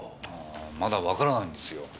まだわからないんですよ。